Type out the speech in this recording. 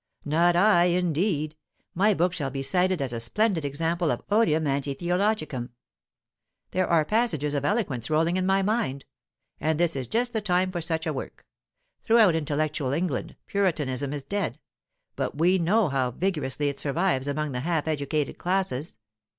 "Not I, indeed! My book shall be cited as a splendid example of odium antitheologicum. There are passages of eloquence rolling in my mind! And this is just the time for such a work. Throughout intellectual England, Puritanism is dead; but we know how vigorously it survives among the half educated classes.